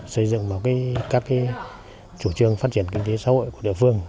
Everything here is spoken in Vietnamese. xây dựng vào các chủ trương phát triển kinh tế xã hội của địa phương